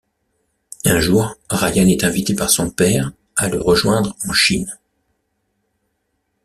Un jour, Ryan est invité par son père à le rejoindre en Chine.